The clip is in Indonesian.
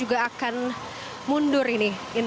bases jagung dan bujal